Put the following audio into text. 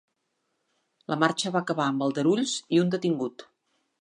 La marxa va acabar amb aldarulls i un detingut.